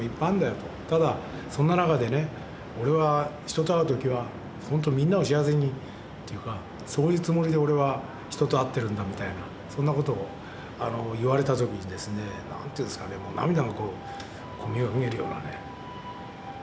ただそんな中でね俺は人と会う時はみんなを幸せにというかそういうつもりで俺は人と会ってるんだみたいなそんなことを言われた時にですねなんていうんすかね涙がこう込み上げるようなね。